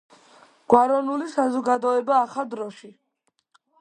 გვაროვნული საზოგადოება ახალ დროში